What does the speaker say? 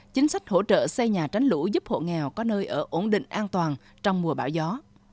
chính sách hỗ trợ xây nhà tránh lũ giúp hộ nghèo có nơi ở ổn định an toàn trong mùa bão gió